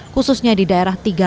khususnya di daerah tertinggal